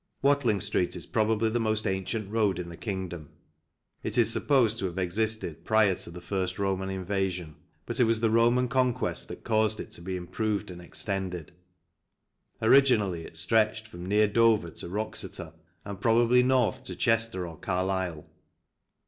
Watling Street is probably the most ancient road in the Kingdom. It is supposed to have existed prior to the first Roman invasion, but it was the Roman conquest that caused it to be improved and extended. Originally, it stretched from near Dover to Wroxeter and probably north to Chester or Carlisle.